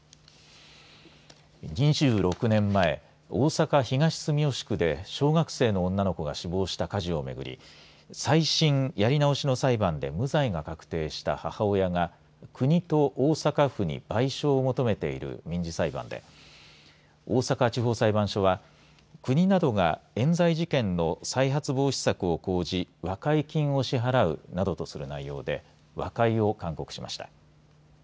２６年前大阪、東住吉区で小学生の女の子が死亡した火事をめぐり再審、やり直しの裁判で無罪が確定した母親が国と大阪府に賠償を求めている民事裁判で大阪地方裁判所は国などが、えん罪事件の再発防止策を講じ和解金を支払うなどとする内容で和解を勧告しました。